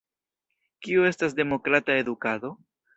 Kio estas Demokrata Edukado?